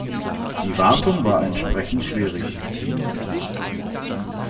Die Wartung war entsprechend schwierig.